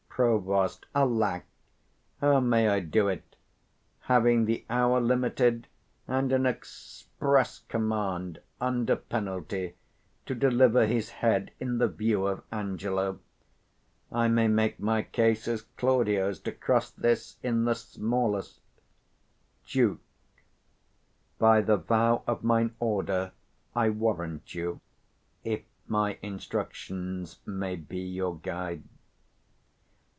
Prov. Alack, how may I do it, having the hour limited, and an express command, under penalty, to deliver his head in the view of Angelo? I may make my case as Claudio's, to cross this in the smallest. 160 Duke. By the vow of mine order I warrant you, if my instructions may be your guide.